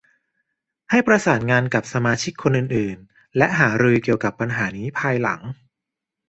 ให้ประสานงานกับสมาชิกคนอื่น ๆ และหารือเกี่ยวกับปัญหานี้ในภายหลัง